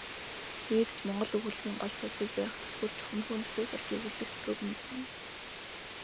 Тэгээд ч монгол өгүүллэгийн гол судсыг барих түлхүүр чухамхүү Нацагдоржийн өгүүллэгт буйг мэдсэн.